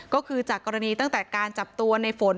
ก็คือจากกรณีตั้งแต่การจับตัวในฝน